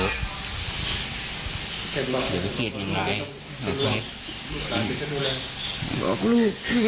กมหาสิบเกี่ยว